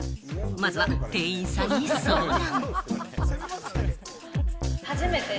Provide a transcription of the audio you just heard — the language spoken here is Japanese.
まずは店員さんに相談。